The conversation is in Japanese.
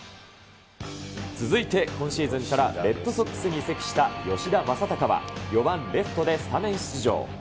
続いて、今シーズンからレッドソックスに移籍した吉田正尚は、４番レフトでスタメン出場。